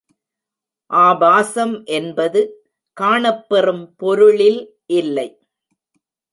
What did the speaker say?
ஆபாசம் என்பது காணப்பெறும் பொருளில் இல்லை.